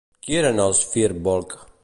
Qui eren els Fir Bolg?